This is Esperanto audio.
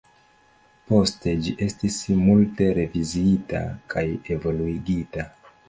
Poste, ĝi estis multe reviziita kaj evoluigita.